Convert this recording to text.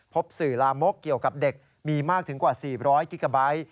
พบสื่อลามกเกี่ยวกับเด็กมีมากถึงกว่า๔๐๐กิกาไบท์